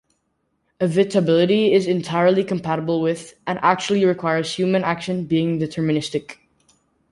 "Evitability" is entirely compatible with, and actually requires, human action being deterministic.